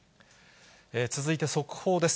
続いて速報です。